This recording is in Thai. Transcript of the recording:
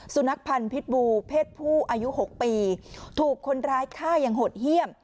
สุนัขพันธ์พิษบูเพศผู้อายุ๖ปีถูกคนร้ายฆ่าอย่างหดเยี่ยม